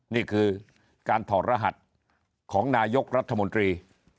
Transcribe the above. นี่คือการถอดรหัสของนายกรัฐมนตรี